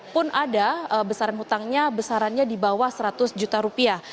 pun ada besaran hutangnya besarannya di bawah seratus juta rupiah